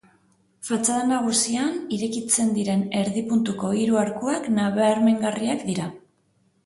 Fatxada nagusian irekitzen diren erdi-puntuko hiru arkuak nabarmengarriak dira.